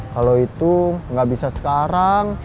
kalau itu nggak bisa sekarang